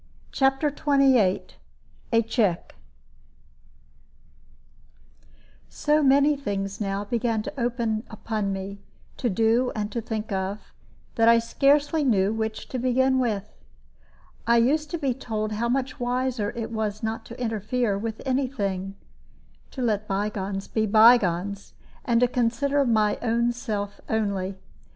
CHAPTER XXVIII A CHECK So many things now began to open upon me, to do and to think of, that I scarcely knew which to begin with. I used to be told how much wiser it was not to interfere with any thing to let by gones be by gones, and consider my own self only.